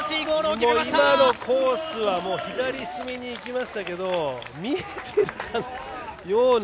今のコースは左隅にいきましたけど見えているかのような。